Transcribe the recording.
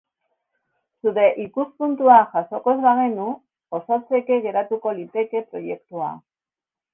Zure ikuspuntua jasoko ez bagenu, osotzeke geratuko liteke proiektua.